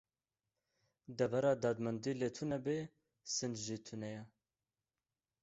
Devera dadmendî lê tune be, sinc jî tune ye.